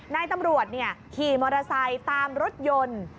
นายตำรวจขี่มอเตอร์ไซค์ตามรถยนต์